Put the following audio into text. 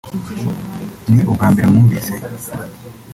ni n’ubwa mbere mwumvise